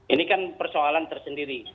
ini kan persoalan tersendiri